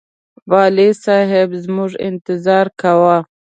والي صاحب زموږ انتظار کاوه.